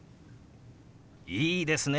いいですね。